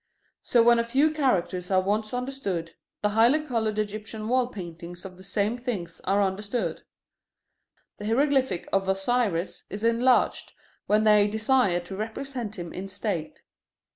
So when a few characters are once understood, the highly colored Egyptian wall paintings of the same things are understood. The hieroglyphic of Osiris is enlarged when they desire to represent him in state.